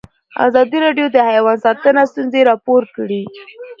ازادي راډیو د حیوان ساتنه ستونزې راپور کړي.